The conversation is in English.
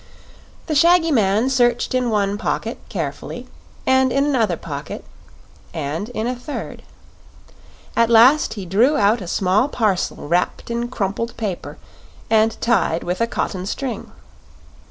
The shaggy man searched in one pocket, carefully; and in another pocket; and in a third. At last he drew out a small parcel wrapped in crumpled paper and tied with a cotton string.